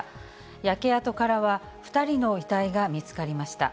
焼け跡からは２人の遺体が見つかりました。